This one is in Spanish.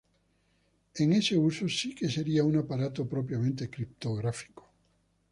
En ese uso, sí que sería un aparato propiamente criptográfico.